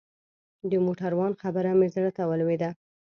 د موټروان خبره مې زړه ته ولوېده.